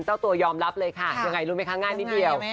เจ้าตัวยอมรับเลยค่ะยังไงรู้ไหมคะง่ายนิดเดียว